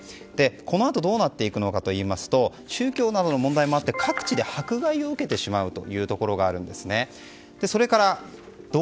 このあとどうなっていくのかというと宗教などの問題もあって各地で迫害を受けてしまうことになるんですね。